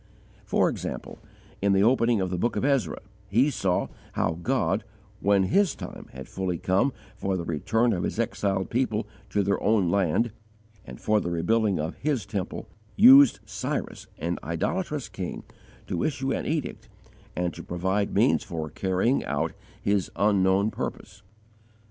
For example, in the opening of the Book of Ezra, he saw how God, when His time had fully come for the return of His exiled people to their own land and for the rebuilding of His Temple, used Cyrus, an idolatrous king, to issue an edict, and to provide means for carrying out His own unknown purpose.